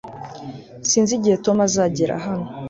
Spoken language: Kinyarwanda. sinzi igihe tom azagera hano